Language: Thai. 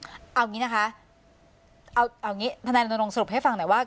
เอาอย่างนี้นะคะเอาอย่างนี้ทนายรณรงค์สรุปให้ฟังหน่อยว่า